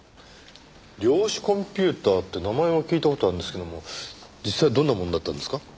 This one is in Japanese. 量子コンピューターって名前は聞いた事あるんですけども実際どんなものだったんですか？